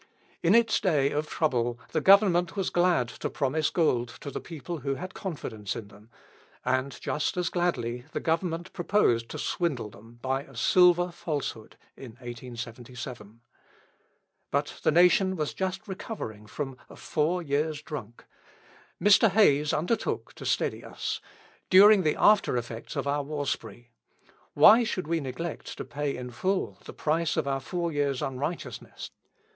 In its day of trouble the Government was glad to promise gold to the people who had confidence in them, and just as gladly the Government proposed to swindle them by a silver falsehood in 1877. But the Nation was just recovering from a four years' drunk; Mr. Hayes undertook to steady us, during the aftereffects of our war spree. Why should we neglect to pay in full the price of our four years' unrighteousness?